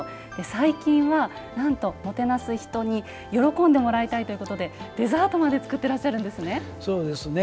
最近はなんと、もてなす人に喜んでもらいたいということでデザートまで作ってらっしゃるんですね。